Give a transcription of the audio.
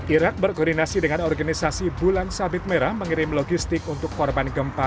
irak berkoordinasi dengan organisasi bulan sabit merah mengirim logistik untuk korban gempa